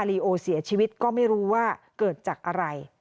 ลีโอเสียชีวิตก็ไม่รู้ว่าเกิดจากอะไร